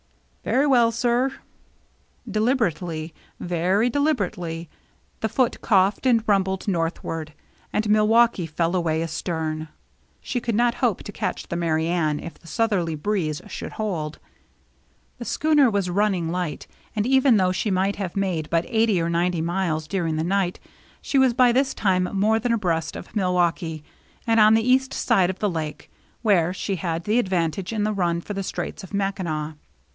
" Very well, sir." Deliberately, very deliberately, the Foote coughed and rumbled northward, and Mil waukee fell away astern. She could not hope to catch the Merry Anne if the southerly breeze should hold. The schooner was running light, and even though she might have made but eighty or ninety miles during the night, she was by this time more than abreast of Milwaukee, and on the east side of the Lake, where she had the advantage in the run for the Straits of Mackinac.